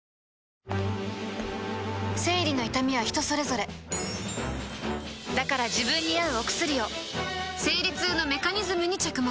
生理の痛みは人それぞれだから自分に合うお薬を生理痛のメカニズムに着目